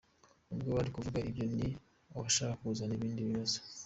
Ubwo abari kuvuga ibyo ni abashaka kuzana ibindi bibazo.